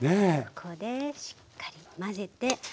ここでしっかり混ぜて。